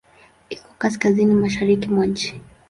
Iko Kaskazini mashariki mwa nchi.